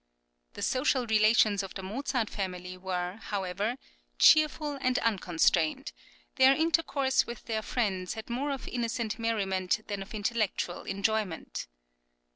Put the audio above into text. {CHILDHOOD.} (18) The social relations of the Mozart family were, however, cheerful and unconstrained; their intercourse with their friends had more of innocent merriment than of intellectual enjoyment.